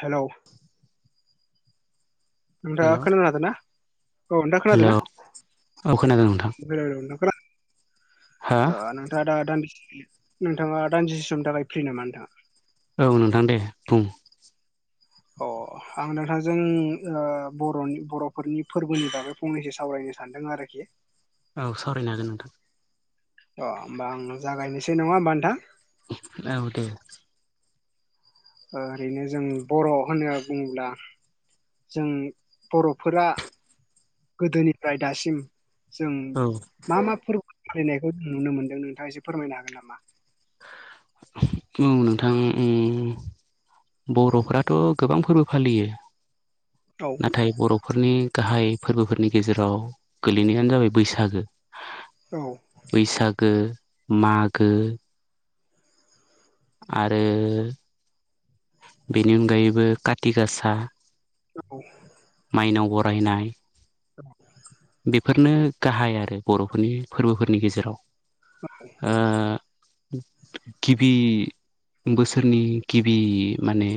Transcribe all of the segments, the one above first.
Hello नोंथांआ hello खोनानोहादों ना औ नोंथां खोनादों हेलौ ना औ खोनादों नोंथां ओ नोंथाङा खोना हा ओ नोंथां नोंथांङा दा दान्दिसे नोंथाङा दान्दसे समनि थाखाय फ्रि नामा नोंथाङा औ नोंथां दे बुं अ आं नोंथांजों ओ बर'नि बर'फोरनि फोरबोनि बागै फंनैसो सावरायनो सानदों आरोखि औ सावरायनो हागोन नोंथां अ होमबा आंनो जागायनोसै नङा होमबा नोंथां औ दे ओ ओरैनो जों बर' होनना बुङोब्ला जों बर'फोरा गोदोनिफ्राय दासिम जों औ औ मा मा फोरबो फालिनायखौ जों नुनो मोनदों नोंथाङा एसे फोरमायनो हागोन नामा औ नोंथां उम बर'फ्राथ' गोबां फोरबो फालियो औ नाथाय बर' न'खरनि गाहाय फोरबोफोरनि गेजेराव गोलैनायानो जाबाय बैसागो औ बैसागो मागो आरो बेनि अनगायैबो काति गासा ओ औ माइनाव बरायनाय औ बेफोरनो गाहाय आरो बर'फोरनि फोरबोफोरनि गेजेराव औ ओ गिबि बोसोरनि गिबि माने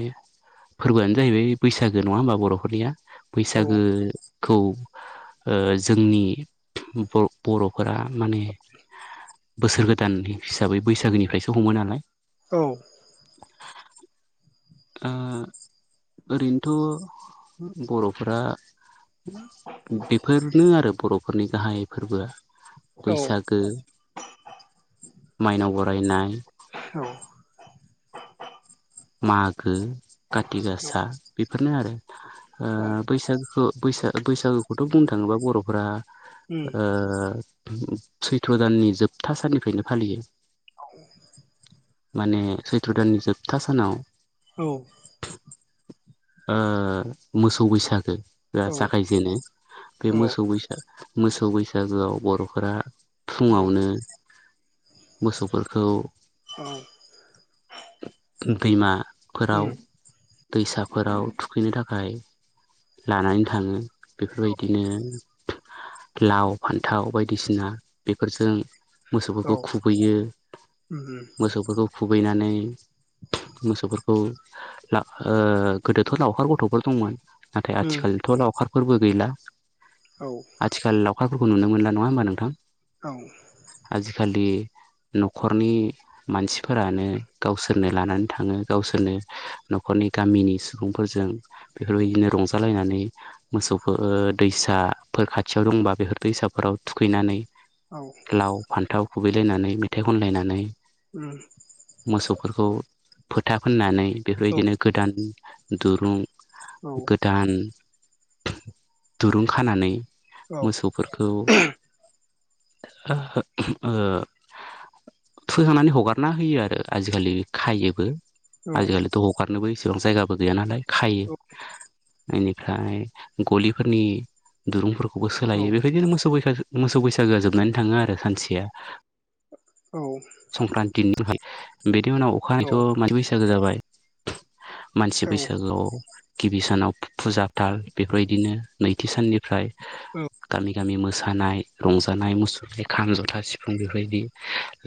फोरबोआनो जाहैबाय बैसागो नङा होमबा बर'फोरनिया औ बैसागोखौ ओ जोंनि बर बर'फोरा माने बोसोर गोदान हिसाबै बैसागोनिफ्रायसो हमो नालाय औ ओ ओरैनोथ' बर'फोरा बेफोरनो आरो बर'फोरनि गाहाय फोरबोआ औ बैसागो माइनाव बरायनाय औ मागो काति औ गासा बेफोरनो आरो ओ औ बैसागोखौ बैसाग बैसागुखौथ' बुंनो थाङोबा बर'फोरा उम ओ सैथ्र' दाननि जोबथा साननिफ्रायनो फालियो औ माने सैथ्र' दाननि जोबथा सानाव औ ओ मोसौ बैसागो ओ औ जागायजेनो बे औ मोसौ बैसाग मोसौ बैसागोआव बर'फोरा औ फुङावनो मोसौफोरखौ औ दैमाफोराव उम दैसा फोराव थुखैनो थाखाय लानानै थाङो औ बेफोरबायदिनो लाव फान्थाव बायदिसिना बेफोरजों मोसौफोरखौ औ खुबैयो उम मोसौफोरखौ खुबैनानै मोसौफोरखौ ओ गोदोथ' लावखार गथ'फोर दंमोन नाथाय उम आथिखालथ' लावखारफोरबो गैला औ आथिखाल लावखारफोरखौ नुनो मोनला नङा होमबा नोंथां। औ आजिखालि न'खरनि मानसिफोरानो गावसोरनो लानानै थाङो गावसोरनो न'खरनि गामिनि सुबुंफोरजों बेफोरबायदिनो रंजालायनानै मोसौफोर दैसाफोर खाथियाव दंबा बेफोर दैसाफोराव थुखैनानै। औ लाव फान्थाव खुबैलायनानै मेथाइ खनलायनानै ओम। मोसौफोरखौ फोथा फोननानै बेफोरबायदिनो गोदान दुरुं गोदान दुरुं खानानै मोसौफोरखौ ओ फुनखांनानै हगारना होयो आरो आजिखालि खायोबो। आजिखालिथ' हगारनोबो एसेबां जायगाबो गैया नालाय खायो। बेनिफ्राय गलिफोरनि दुरुंफोरखौबो औ सोलायो बेबायदिनो मोसौ बैसा मोसौ बैसागोआ जोबनानै थाङो आरो सानसेया। औ संक्रान्तिनिफ्राय बेनि उनाव अखानायैथ' मानसि बैसागो जाबाय। मानसि बैसागुआव गिबि सानाव फुजा फाल बेफोरबायदिनो नैथि साननिफ्राय गामि गामि मोसानाय रंजानाय मुसुरनाय खाम जथा सिफुं बेबादि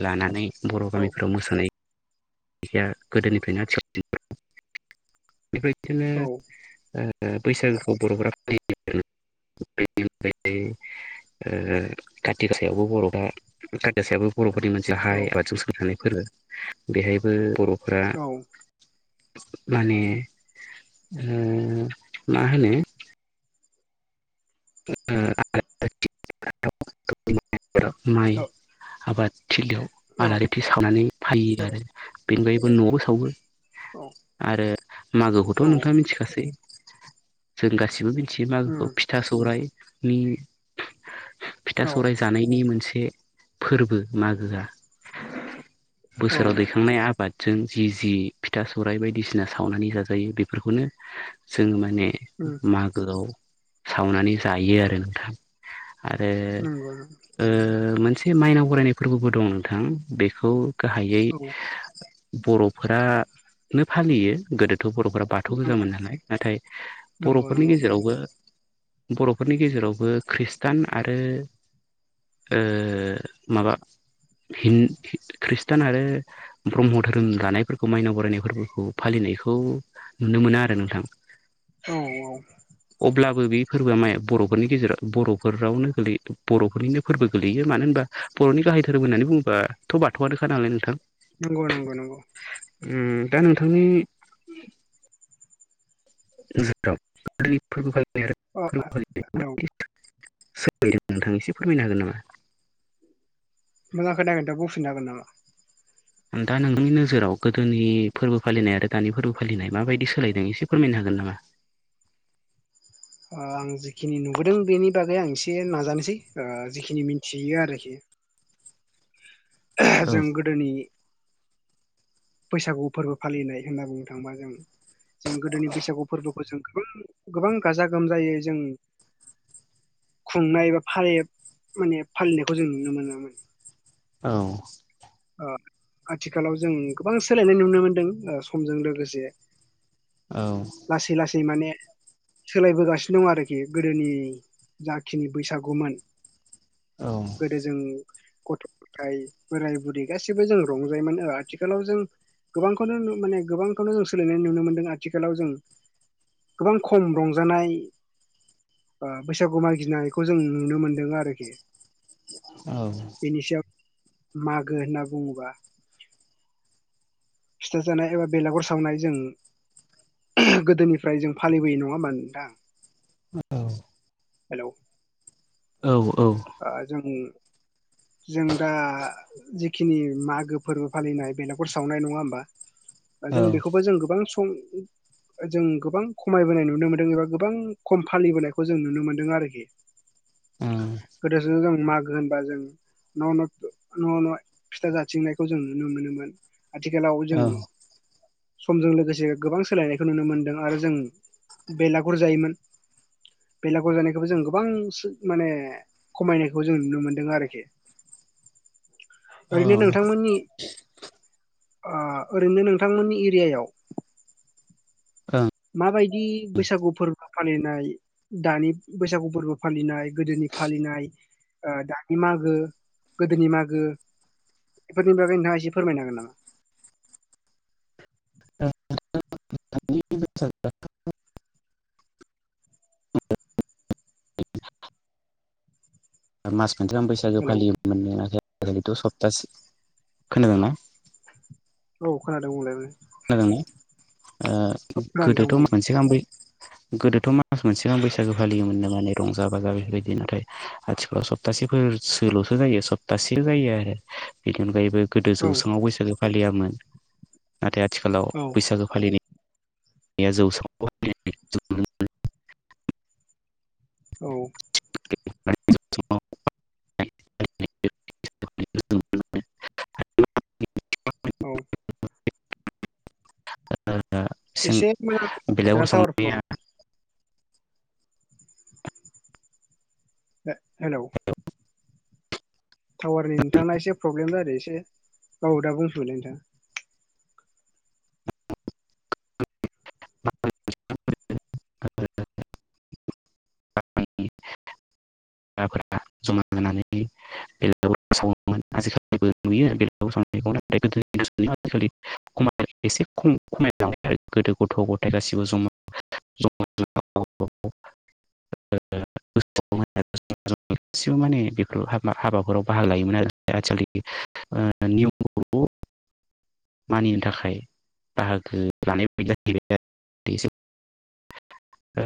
लानानै बर' गामिफोराव मोसा मोसानायखौ गोदोनिफ्रायनो आथिखाल बिदिनो ओ ओ बैसागोखौ बर'फोरा फालिबोदों। ओ खाथि गासायावबो बर'फ्रा खाथि गासायाबो बर'फोरनि मोन जाहाय बाथि सावनायनि फोरबो। बेहायबो बर'फ्रा माने मा होनो ओ [unintelligible] माइ आबादथिलियाव आलारिथि सावनानै फैयो आरो। बेनि अनगायैबो न'आवबो सावो। आरो मागोखौथ' नोंथाङा मिथिखासै जों गासिबोनि थि मागोखौ फिथा सौरायनि फिथा सौराय जानायनि मोनसे फोरबो मागोआ। बोसोराव दैखां थांनाय आबादजों जि जि फिथा सौराइ बायदिसिना सावनानै जाजायो बेफोरखौनो। जोङो माने मागोआव सावनानै जायो आरो नोंथां आरो ओ मोनसे माइनाव बरायनाय फोरबोबो दं नोंथां बेखौ गाहायै बर'फोरानो फालियो गोदोथ' बर'फोरा बाथौ गोजामोन नालाय नाथाय नंगौ औ नंगौ बर'फोरनि नंगौ गेजेरावबो बर'फोरनि गेजेरावबो खृष्टान आरो माबा ख्रिस्टान आरो ब्रह्म धोरोम लानायफोरखौ माइनाव बरायनाय फोरबोखौ फालिनायखौ नुनो मोनो आरो नोंथां। औ औ। अब्लाबो बे फोरबोआ माया बर'फोरनि गेजेराव बर'फोरावनो गोलैयो बर'फोरनिनो फोरबो गोलैयो मानो होनबा बर'नि गाहाय धोरोम होननानै बुङोबाथ' बाथौआनोखा नाललाय नोंथां। नंगौ नंगौ नंगौ। दा नोंथांनि [unintelligible] [unintelligible] अ नोंथां हेलौ एसे फोरमायनो हागोन नामा? मोजां खोनायाखै नोंथां बुंफिननो हागोन नामा नोंथाङा नोंथनि नोजोराव गोदोनि फोरबो फालिनाय आरो दानि फोरबो फालिनाय माबायदि सोलायदों एसे फोरमायनो हागोन नामा? ओ आं जिखिनि नुबोदों बेनि बागै आं एसे नाजानोसै ओ जिखिनि मिनथियो आरोखि औ जों गोदोनि बैसागु फोरबो फालिनाय होनना बुंनो थाङोबा जों जों गोदोनि बैसागु फोरबोखौ जों गोबां गोबां गाजा गोमजायै जों खुंनाय बा फालियो माने फालिनायखौ जों नुनो मोनोमोन औ ओ आथिखालाव जों गोबां सोलायनाय नुनो मोनदों ओ समजों लोगोसे औ लासै लासै माने सोलायबोगासिनो दं आरोखि गोदोनि जाखिनि बैसागुमोन औ जे जों गथ' गथाय बोराय बुरै गासिबो जों रंजायोमोन ओ आथिखालाव जों गोबांखौनो नु माने गोबांखौनो जों सोललिनाय नुनो मोनदों आथिखालाव जों गोबां खम रंजानाय ओ बैसागु मागिनायखौ जों नुनो मोनदों आरोखि औ बेनि सायाव मागो होनना बुङोबा फिथा जानाय एबा बेलागुर सावनाय जों गोदोनिफ्राय जों फालिबोयो नङा होमबा नोंथां औ हेलौ औ औ ओ जों जों दा जिखिनि मागो फोरबो फालिनाय बेलागुर सावनाय नङा होमबा जों बेखौबो जों गोबां सम जों गोबां खमायबोनाय नुनो मोनदों एबा गोबां खम फालिबोनायखौ जों नुनो मोन्दों आरोखि ओम गोदोसो जों मागो होनबा जों न' न' न' न' फिथा जाथिंनायखौ जों नुनो मोनोमोन आथिखालाव जों समजों लोगोसे गोबां सोलायनायखौ नुनो मोनदों आरो जों बेलागुर जायोमोन बेलागुर जानायखौबो जों गोबां सो माने खमायनायखौ जों नुनो मोनदों आरोखि ओरैनो नोंथांमोननि ओ ओरैनो नोंथांमोननि एरियायाव ओं माबायदि बैसागु फोरबो फालिनाय दानि बैसागु फोरबो फालिनाय गोदोनि फालिनाय ओ दानि मागो गोदोनि मागो बेफोरनि बागै नोंथाङा एसे फोरमायनो हागोन नामा [unintelligible] मास मोनसे गाहाम बैसागो हेलौ फालियोमोन नो [unintelligible] सप्तासे खोनादोंना? औ खोनादों [unintelligible] खोनादोंना ओ औ खोनादों नोंथां गोदोथ' मा बुं मोनसे गाहाम बै गोदोथ' मा मास मोनसे गाहाम बैसागो फालियोमोननो माने रंजा बाजा बेफोरबायदि नाथाय आथिखालाव सप्तासेफोर सोल'सो जायो सप्तासे जायो आरो बेनि अनगायैबो गोदो औ जौसाङाव बैसागो फालियामोन नाथाय आथिखालाव औ बैसागो फालिनाय [unintelligible] औ [unintelligible] औ एसे मोजां बेलागुर नोंना टावार सावनाया प्रब्लेम हेलौ टावारनि नोंथांना एसे प्रब्लेम जादों एसे गाव दा बुंथ'लै नोंथाङा [unintelligible] [unintelligible] [unintelligible] एसे खम खमायलांबाय आरो गोदो गथ' गथाय गासिबो जमा जमा ज गासिबो माने बेफोराव हाबा- हाबाफोराव बाहागो लायोमोन आरो आजिखालि ओ [unintelligible] ज मानिनो थाखाय बाहागो [unintelligible]